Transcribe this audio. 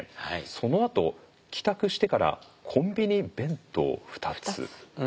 そのあと帰宅してからコンビニ弁当２つ。